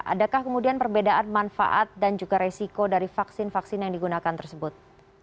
adakah kemudian perbedaan manfaat dan juga resiko dari vaksin vaksin yang digunakan tersebut